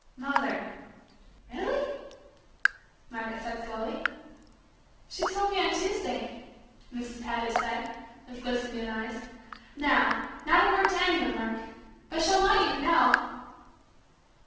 "Mother really?" Margaret said slowly. "She told me on Tuesday,." Mrs. Paget said, with glistening eyes. "Now, not a word to any one, Mark, but she'll want you to know!"